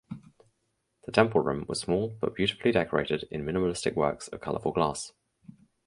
The temple room was small but beautifully decorated in Minimalistic works of colourful glass.